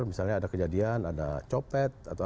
misalnya ada kejadian ada copet